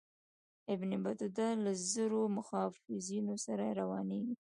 ابن بطوطه له زرو محافظینو سره روانیږي.